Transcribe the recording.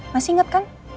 masih ingat kan